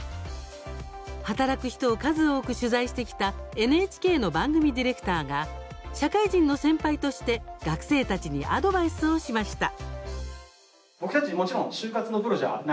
働く人を数多く取材してきたＮＨＫの番組ディレクターが社会人の先輩として学生たちにアドバイスをしました。